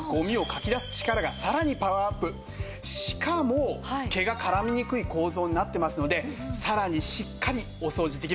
しかも毛が絡みにくい構造になってますのでさらにしっかりお掃除できます！